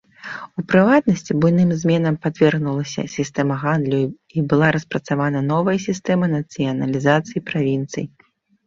У прыватнасці, буйным зменам падвергнулася сістэма гандлю і была распрацавана новая сістэма нацыяналізацыі правінцый.